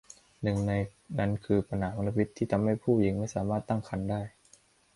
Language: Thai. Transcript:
หนึ่งในนั้นคือปัญหามลพิษที่ทำให้ผู้หญิงไม่สามารถตั้งครรภ์ได้